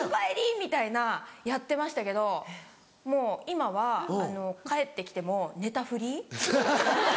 みたいなやってましたけどもう今は帰って来ても寝たふり。